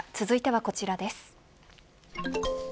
続いてはこちらです。